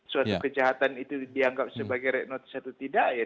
suatu kejahatan itu dianggap sebagai red notice atau tidak ya